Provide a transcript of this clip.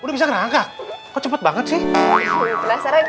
udah bisa gerak kok cepet banget sih